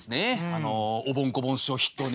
あのおぼん・こぼん師匠を筆頭に。